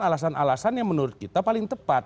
alasan alasan yang menurut kita paling tepat